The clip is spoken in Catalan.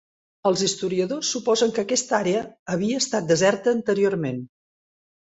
Els historiadors suposen que aquesta àrea havia estat deserta anteriorment.